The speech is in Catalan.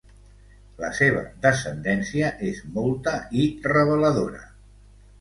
La seva descendència és molta, i reveladora.